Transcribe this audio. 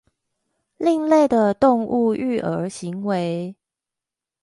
另類的動物育兒行為